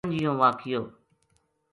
پنجیوں واقعو